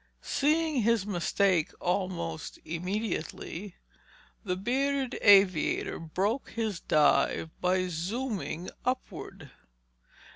Seeing his mistake almost immediately, the bearded aviator broke his dive by zooming upward.